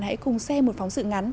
hãy cùng xem một phóng sự ngắn